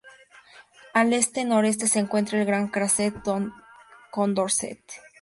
Al este-noreste se encuentra el gran cráter Condorcet.